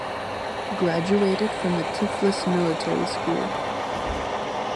Graduated from the Tiflis Military School.